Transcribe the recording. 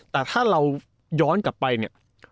แต่ถ้าเราย้อนกลับไปเนี่ย